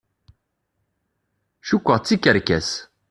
Cukkeɣ d tikerkas.